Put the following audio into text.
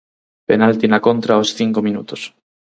Penalti na contra aos cinco minutos.